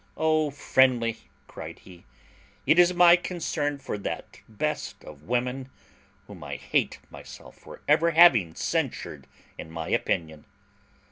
"O Friendly!" cried he, "it is my concern for that best of women, whom I hate myself for having ever censured in my opinion.